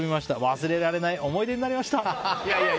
忘れられない思い出になりました！